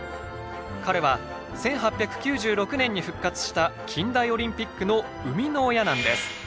彼は１８９６年に復活した近代オリンピックの生みの親なんです。